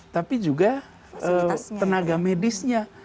tapi juga tenaga medisnya